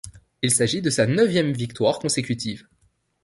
Il s'agit de sa neuvième victoire consécutive.